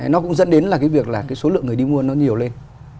nó cũng dẫn đến là cái việc là cái số lượng người đi mua nó nhiều lên